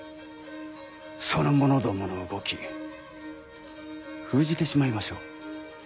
その者どもの動き封じてしまいましょう。